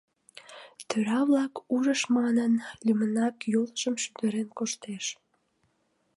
Тӧра-влак ужышт манын, лӱмынак йолжым шӱдырен коштеш.